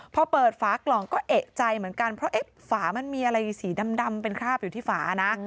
พอเปิดฝากล่องก็เอกใจเหมือนกันเพราะฝามันมีอะไรสีดำเป็นคราบอยู่ที่ฝานะ